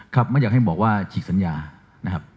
ไม่อยากให้บอกว่าฉีกสัญญานะครับ